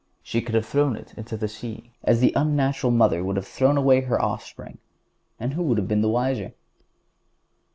She could have thrown it into the sea, as the unnatural mother would have thrown away her off spring, and who would have been the wiser?